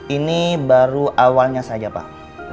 ini baru awalnya saja pak